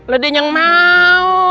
lo dengeng mau